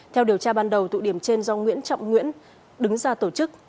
theo điều tra ban đầu tụ điểm trên do nguyễn trọng nguyễn đứng ra tổ chức